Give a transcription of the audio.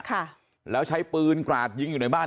ค่ะแล้วใช้ปืนกราดยิงอยู่ในบ้าน